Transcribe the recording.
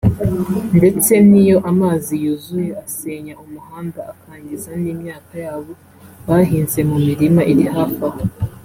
ndetse n’iyo amazi yuzuye asenya umuhanda akangiza n’imyaka yabo bahinze mu mirima iri hafi aho